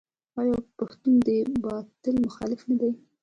آیا پښتون د باطل مخالف نه دی؟